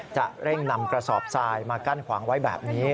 จะเร่งนำกระสอบทรายมากั้นขวางไว้แบบนี้